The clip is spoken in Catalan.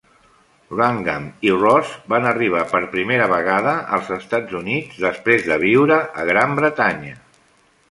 Wrangham i Ross van arribar per primera vegada als Estats Units després de viure a Gran Bretanya.